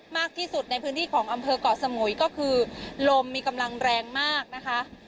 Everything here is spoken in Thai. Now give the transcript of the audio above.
มากที่สุดในพื้นที่ของอำเภอกเกาะสมุยก็คือลมมีกำลังแรงมากนะคะ